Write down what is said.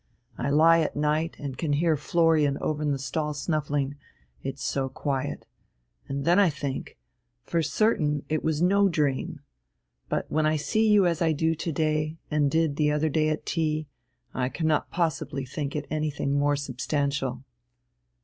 I lie at night and can hear Florian over in the stall snuffling, it's so quiet. And then I think, for certain it was no dream. But when I see you as I do to day, and did the other day at tea, I cannot possibly think it anything more substantial."